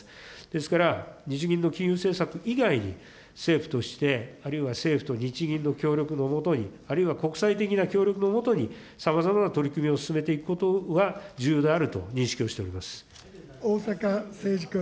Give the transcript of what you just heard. ですから、日銀の金融政策以外に、政府として、あるいは、政府と日銀の協力の下に、あるいは国際的な協力の下に、さまざまな取り組みを進めていくことが重要であると認識をしております。